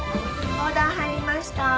オーダー入りました。